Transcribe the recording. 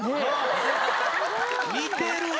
似てるわ。